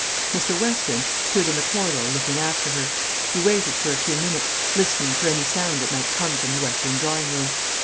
Mr. Weston stood in the corridor looking after her. He waited for a few minutes, listening for any sound that might come from the western drawing room.